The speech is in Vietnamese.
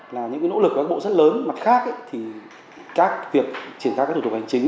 là những nỗ lực của các bộ rất lớn mặt khác thì các việc triển khai các thủ tục hành chính